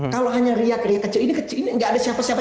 kalau hanya riak riak kecil ini kecil ini nggak ada siapa siapa